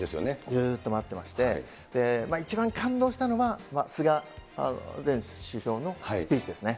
ずっと待ってまして、一番感動したのは、菅前首相のスピーチですね。